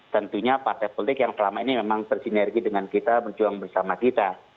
tentunya partai politik yang selama ini memang bersinergi dengan kita berjuang bersama kita